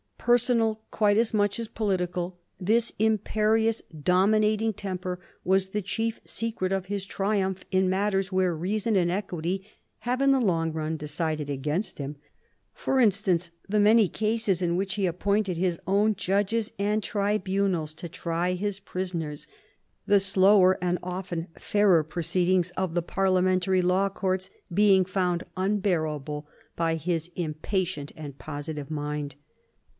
Personal quite as much as political, this imperious, dominating temper was the chief secret of his triumph in matters where reason and equity have in the long run decided against him ; for instance, the many cases in which he appointed his own judges and tribunals to try his prisoners, the slower and often fairer proceedings of the parliamentary law courts being found unbearable by his impatient and positive mind.